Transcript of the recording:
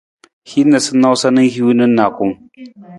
Hin noosanoosa na hiwung na nijakung.